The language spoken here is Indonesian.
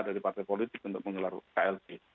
dari partai politik untuk menggelar klb